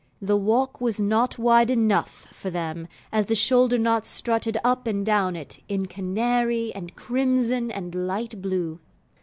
The walk was not wide enough for them as the shoulder knots strutted up and down it in canary, and crimson, and light blue.